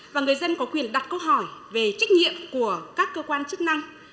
và người dân có quyền đặt câu hỏi về trách nhiệm của các cơ quan chức năng